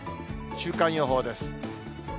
週間予報です。